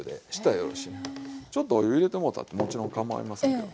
ちょっとお湯入れてもうたってもちろんかまいませんけどね。